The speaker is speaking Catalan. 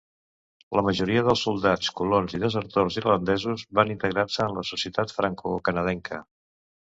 La majoria dels soldats, colons i desertors irlandesos van integrar-se en la societat francocanadenca.